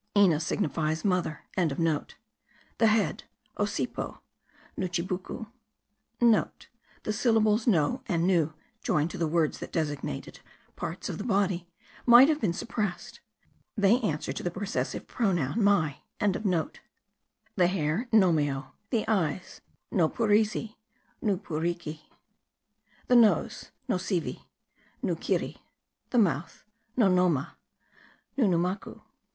Ina signifies mother.) The head : Ossipo : Nuchibucu.* (* The syllables no and nu, joined to the words that designate parts of the body, might have been suppressed; they answer to the possessive pronoun my.) The hair : Nomao. The eyes : Nopurizi : Nupuriki. The nose : Nosivi : Nukirri. The mouth : Nonoma : Nunumacu.